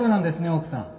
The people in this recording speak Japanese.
奥さん。